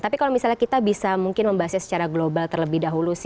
tapi kalau misalnya kita bisa mungkin membahasnya secara global terlebih dahulu sih